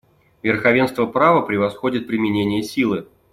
Верховенство права превосходит применение силы.